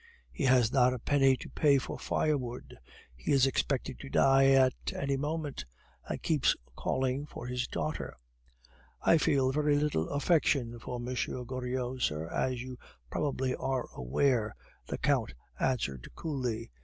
He has not a penny to pay for firewood; he is expected to die at any moment, and keeps calling for his daughter " "I feel very little affection for M. Goriot, sir, as you probably are aware," the Count answered coolly.